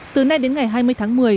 từ nay đến ngày hai mươi tháng một mươi